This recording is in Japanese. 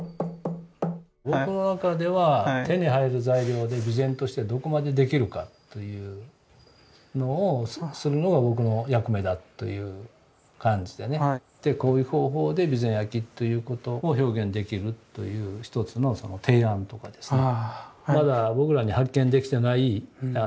僕の中では手に入る材料で備前としてどこまでできるかというのをするのが僕の役目だという感じでねこういう方法で備前焼ということを表現できるという一つの提案とかですね。